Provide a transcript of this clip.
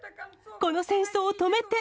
この戦争を止めて。